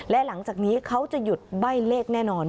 และหลังจากนี้เขาจะหยุดใบ้เลขแน่นอน